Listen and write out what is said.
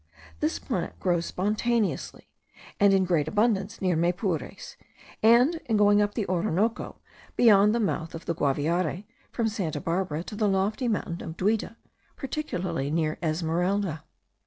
This plant grows spontaneously, and in great abundance, near Maypures; and in going up the Orinoco, beyond the mouth of the Guaviare, from Santa Barbara to the lofty mountain of Duida, particularly near Esmeralda.